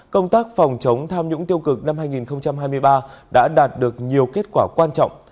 công tác phòng chống tham nhũng tiêu cực năm hai nghìn hai mươi ba đã đạt được nhiều kết quả quan trọng